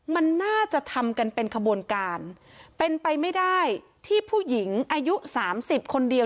มันน่าจะทำกันเป็นขบวนการเป็นไปไม่ได้ที่ผู้หญิงอายุสามสิบคนเดียว